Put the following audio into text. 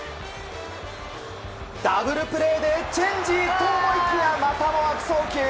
ダブルプレーでチェンジと思いきやまたも悪送球！